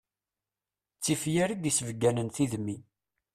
D tifyar i d-issebganen tidmi.